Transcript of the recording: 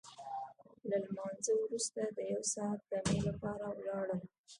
له لمانځه وروسته د یو ساعت دمې لپاره ولاړل.